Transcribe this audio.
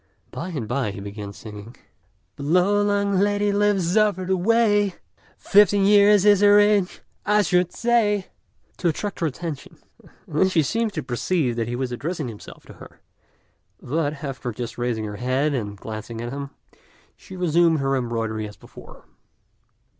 By and by he began singing "The Lo yang lady lives over the way: [Fifteen years is her age I should say]." to attract her attention, and then she seemed to perceive that he was addressing himself to her; but, after just raising her head and glancing at him, she resumed her embroidery as before.